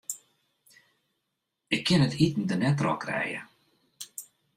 Ik kin it iten der net troch krije.